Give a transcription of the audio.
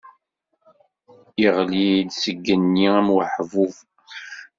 Iɣli-d seg igenni am uḥbub.